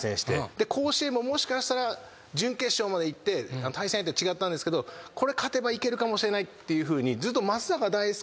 甲子園ももしかしたら準決勝までいって対戦相手は違ったんですけどこれ勝てばいけるかもしれないっていうふうにずっと。